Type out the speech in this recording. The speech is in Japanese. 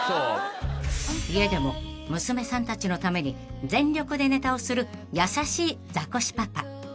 ［家でも娘さんたちのために全力でネタをする優しいザコシパパ］